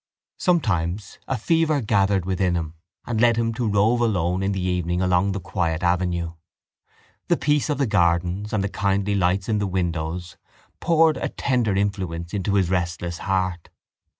Sometimes a fever gathered within him and led him to rove alone in the evening along the quiet avenue. The peace of the gardens and the kindly lights in the windows poured a tender influence into his restless heart.